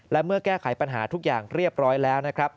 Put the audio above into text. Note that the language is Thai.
และเมื่อแก้ไขปัญหาทุกอย่างเรียบร้อยแล้วนะครับ